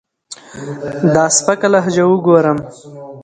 دا سپکه لهجه اوګورم